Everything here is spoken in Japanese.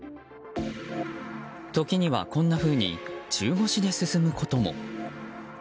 時には、こんなふうに中腰で進むことも。